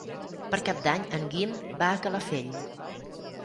Per Cap d'Any en Guim va a Calafell.